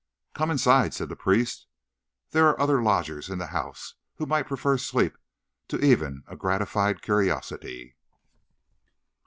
"Come inside," said the priest; "there are other lodgers in the house, who might prefer sleep to even a gratified curiosity."